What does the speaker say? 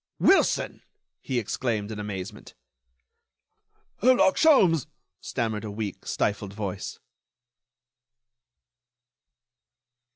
"Wilson!" he exclaimed, in amazement. "Herlock Sholmes!" stammered a weak, stifled voice.